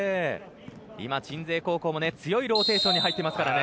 鎮西高校も強いローテーションに入ってますからね。